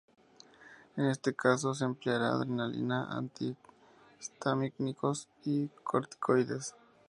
En este caso, se empleará adrenalina, antihistamínicos y corticoides.